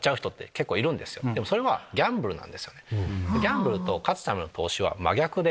ギャンブルと勝つための投資は真逆で。